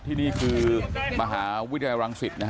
ที่นี่คือมหาวิทยาลัยรังสิตนะฮะ